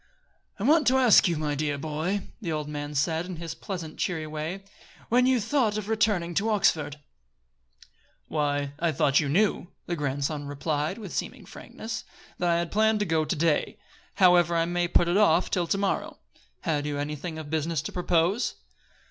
"I want to ask you, my dear boy," the old man said, in his pleasant, cheery way, "when you thought of returning to Oxford." "Why, I thought you knew," the grandson replied with seeming frankness, "that I had planned to go to day. However, I may put it off till to morrow. Had you anything of business to propose?"